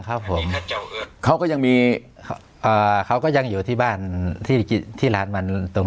ครับผมเขาก็ยังมีอ่าเขาก็ยังอยู่ที่บ้านที่ที่ร้านมันตรง